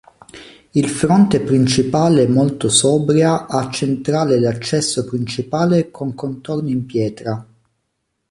Il fronte principale molto sobria ha centrale l'accesso principale con contorno in pietra.